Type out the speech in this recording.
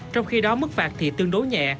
trong khi đó mức phạt thì tương đối nhẹ